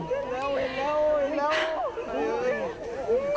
เห็นแล้วเห็นแล้วเห็นแล้ว